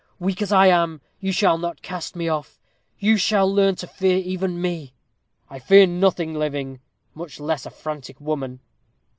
Weak as I am, you shall not cast me off. You shall learn to fear even me." "I fear nothing living, much less a frantic woman."